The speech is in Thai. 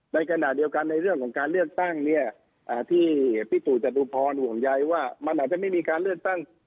ในขณะเดียวกันในเรื่องของการเลือกตั้งเนี่ยที่พี่ตู่จตุพรห่วงใยว่ามันอาจจะไม่มีการเลือกตั้ง